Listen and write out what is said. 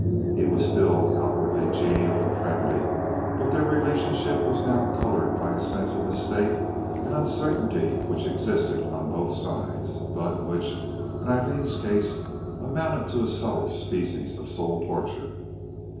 He was still outwardly genial and friendly, but their relationship was now colored by a sense of mistake and uncertainty which existed on both sides, but which, in Aileen's case, amounted to a subtle species of soul torture.